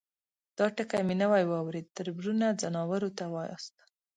_دا ټکی مې نوی واورېد، تربرونه ، ځناورو ته واياست؟